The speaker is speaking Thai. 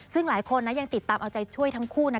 ซึ่งหลายคนยังติดตามเอาใจช่วยทั้งคู่